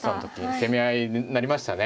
攻め合いになりましたね。